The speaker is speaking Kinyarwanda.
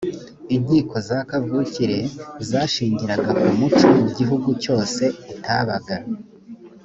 inkiko za kavukire zashingiraga ku muco mu gihe cyose utabaga